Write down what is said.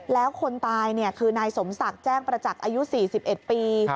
แล้วคนตายคือนายสมศักดิ์แจ้งประจักษ์อายุ๔๑ปี